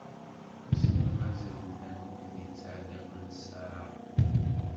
Wissen ma mazal llan wid yettɛelliqen ssaɛa?